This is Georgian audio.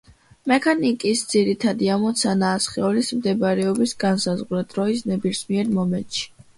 მექანიკის ძირითადი ამოცანაა სხეულის მდებარეობის განსაზღვრა დროის ნებისმიერ მომენტში.